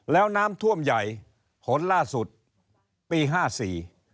แล้วน้ำท่วมใหญ่หนล่าสุดปี๕๔